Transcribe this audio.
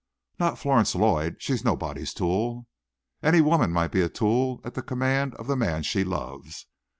"Not Florence Lloyd. She's nobody's tool." "Any woman might be a tool at the command of the man she loves.